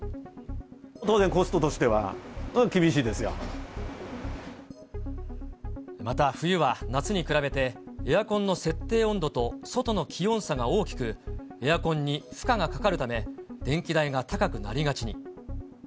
当然コストとしては厳しいでまた、冬は夏に比べて、エアコンの設定温度と外の気温差が大きく、エアコンに負荷がかかるため、電気代が高くなりがちに。